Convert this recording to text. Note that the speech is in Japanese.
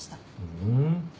ふん。